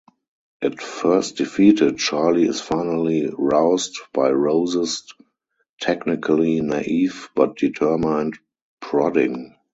At first defeated, Charlie is finally roused by Rose's technically naive but determined prodding.